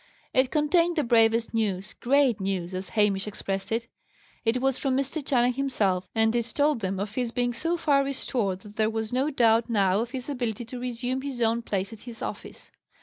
It contained the bravest news: great news, as Hamish expressed it. It was from Mr. Channing himself, and it told them of his being so far restored that there was no doubt now of his ability to resume his own place at his office.